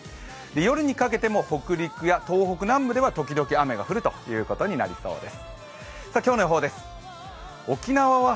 夜にかけても北陸や東北南部では時々雨が降る予想です。